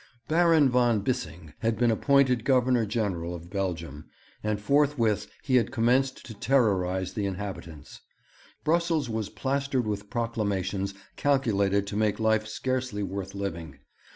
Baron von Bissing had been appointed Governor General of Belgium, and forthwith he had commenced to terrorize the inhabitants. Brussels was plastered with proclamations calculated to make life scarcely worth living.